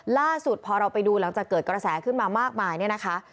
ล่าสุดพอเราไปดูหลังจากเกิดกระแสขึ้นมามากมายเนี่ยนะคะ